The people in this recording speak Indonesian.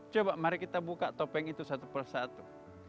coba mari kita buka topeng itu satu per satu